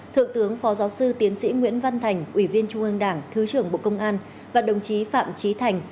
thượng tướng phó giáo sư tiến sĩ nguyễn văn thành ủy viên trung ương đảng thứ trưởng bộ công an và đồng chí phạm trí thành